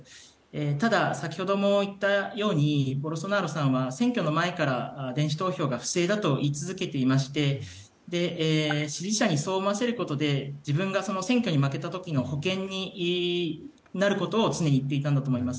ただ、先ほども言ったようにボルソナロさんは選挙の前から電子投票が不正だと言い続けていて支持者にそう思わせることで自分が選挙に負けた時の保険になることを常に言っていたんだと思います。